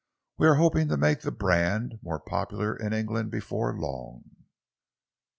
"We are hoping to make the brand more popular in England before long."